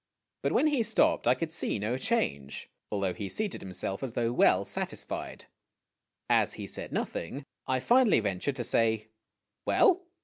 But when he stopped I could see no change, although he seated himself as though well satisfied. As he said nothing, I finally ventured to say : "Well!"